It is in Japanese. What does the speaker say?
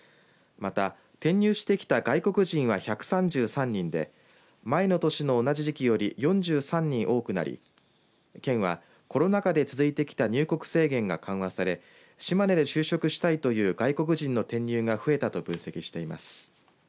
また転入してきた外国人は１３３人で前の年の同じ時期より４３人多くなり県はコロナ禍で続いてきた入国制限が緩和され島根で就職したいという外国人の転入が増えたと分析しています。